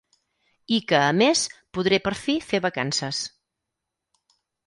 I que, a més, podré per fi fer vacances.